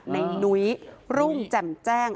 นุ้ยรุ่งแจ่มแจ้ง